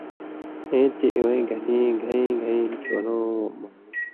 اېں تے اِوَیں گھریں گھېں گھېں چھون٘لؤں مہ